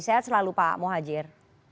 saya selalu pak mohajir